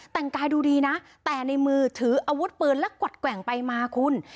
แต่งกายดูดีนะแต่ในมือถืออาวุธปืนและกวัดแกว่งไปมาคุณ